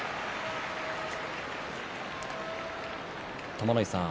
玉ノ井さん